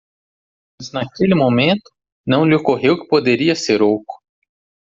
Pois naquele momento? não lhe ocorreu que poderia ser oco.